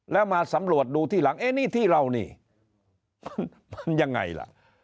แล้วมาสำรวจดูที่หลังเอ๊ะนี่ที่เรานี่มันยังไงล่ะ